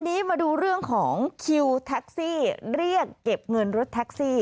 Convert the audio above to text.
ทีนี้มาดูเรื่องของคิวแท็กซี่เรียกเก็บเงินรถแท็กซี่